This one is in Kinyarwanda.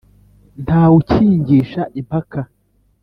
Ntawe ukingisha impaka,